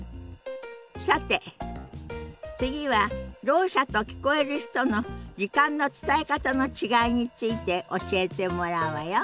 さて次はろう者と聞こえる人の時間の伝え方の違いについて教えてもらうわよ。